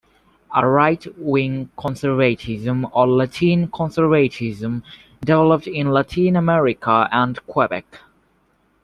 A right-wing conservatism, or "Latin conservatism", developed in Latin America and Quebec.